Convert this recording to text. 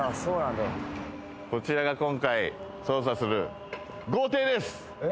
こちらが今回捜査する豪邸です。